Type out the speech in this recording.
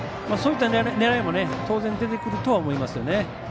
そういった狙いも当然出てくるとは思います。